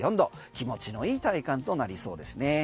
気持ちの良い体感となりそうですね。